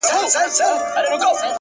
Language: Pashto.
بيا دادی پخلا سوه ـچي ستا سومه ـ